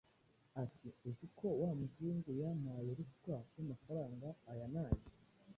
ati: Uzi ko wa muzungu yampaye ruswa y’amafaranga aya n’aya.”